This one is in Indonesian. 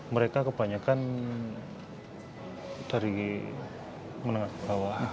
mereka kebanyakan dari menengah ke bawah